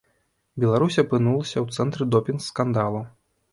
Беларусь апынулася ў цэнтры допінг-скандалу.